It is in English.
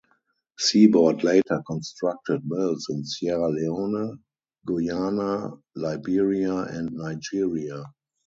Seaboard later constructed mills in Sierra Leone, Guyana, Liberia and Nigeria.